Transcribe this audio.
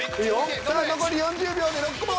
残り４０秒で６問。